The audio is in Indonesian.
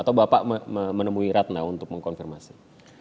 atau bapak menemui ratna untuk mengkonfirmasi